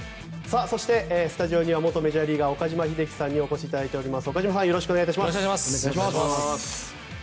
そしてスタジオには元メジャーリーガー岡島秀樹さんにお越しいただいております。